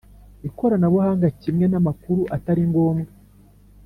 ikoranabuhanga kimwe n amakuru Atari ngombwa